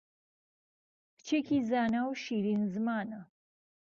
کچێکی زانا و شیرین زمانە